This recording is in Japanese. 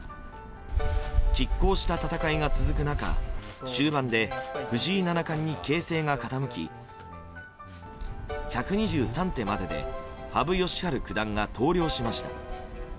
拮抗した戦いが続く中終盤で藤井七冠に形勢が傾き１２３手までで羽生善治九段が投了しました。